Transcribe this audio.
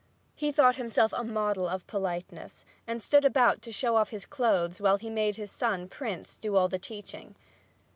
He thought himself a model of politeness and stood about to show off his clothes while he made his son, Prince, do all the teaching.